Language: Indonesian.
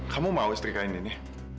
kamu mau setrikain ini